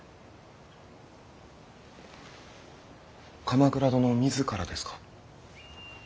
鎌倉殿自らですか。